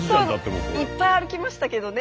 結構いっぱい歩きましたけどね。